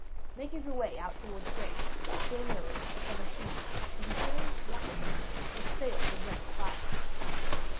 Making her way out toward the great, still mirror of the summer sea, was a strange black vessel, with sails as red as fire.